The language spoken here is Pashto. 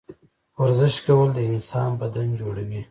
ورزش کول د انسان بدن جوړوي